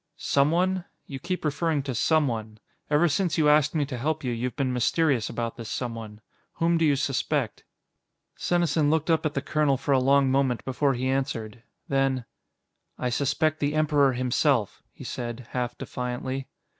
"Someone? You keep referring to 'someone.' Ever since you asked me to help you, you've been mysterious about this someone. Whom do you suspect?" Senesin looked up at the colonel for a long moment before he answered. Then: "I suspect the Emperor himself," he said, half defiantly.